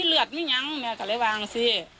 เลือดนี่ยังแม่ก็เลยวางสิ